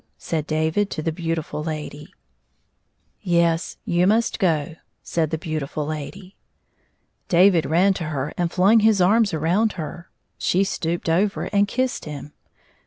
said David to the beauti ftd lady. 89 " Yes ; you must go/' said the beautiM lady. David ran to her and flung his arms around her ; she stooped over and kissed him.